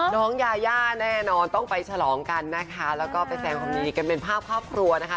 น้องยาย่าแน่นอนต้องไปฉลองกันนะคะแล้วก็ไปแสงความดีกันเป็นภาพครอบครัวนะคะ